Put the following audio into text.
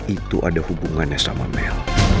itu ada hubungannya sama mel